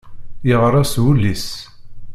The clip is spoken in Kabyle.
Yeɣra s wul-is.